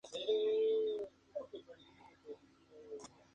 Cohen utiliza la simbología Judía para expresar la gloria y la pena de amar.